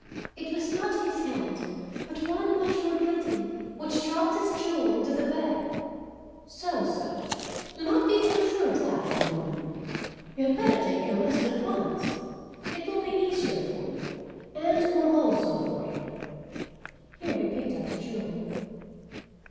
It was not his hand, but one much more guilty, which dropped this jewel into the bag." "So! so! do not be too sure of that, little woman. You had better take your lesson at once. It will be easier for you, and more wholesome for him." Here he picked up the jewel.